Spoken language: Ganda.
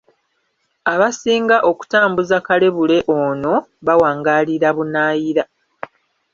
Abasinga okutambuza kalebule ono bawangaalira bunaayira